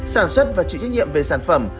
sản xuất và chịu trách nhiệm về sản phẩm